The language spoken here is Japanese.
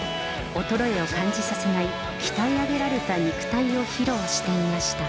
衰えを感じさせない、鍛え上げられた肉体を披露していました。